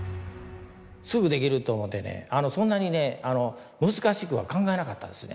すぐできると思ってねあのそんなにね難しくは考えなかったですね